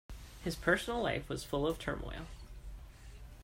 His personal life was full of turmoil.